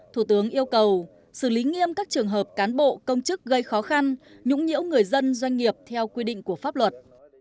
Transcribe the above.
thủ tướng yêu cầu xử lý nghiêm các trường hợp cán bộ công chức gây khó khăn nhũng nhiễu người dân doanh nghiệp theo quy định của pháp luật